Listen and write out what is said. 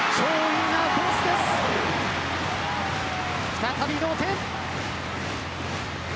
再び同点。